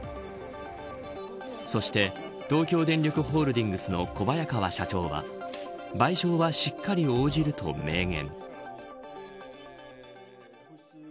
そして東京電力ホールディングスの小早川社長は賠償はしっかり応じると明言。